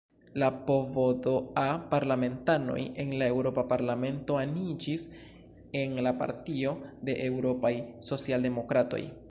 La PvdA-parlamentanoj en la Eŭropa Parlamento aniĝis en la Partio de Eŭropaj Socialdemokratoj.